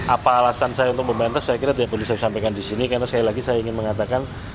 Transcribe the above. apa alasan saya untuk membantah saya kira tidak boleh saya sampaikan di sini karena sekali lagi saya ingin mengatakan